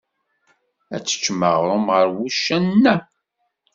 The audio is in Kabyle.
Ad teččem aɣrum ger wuccanen-a?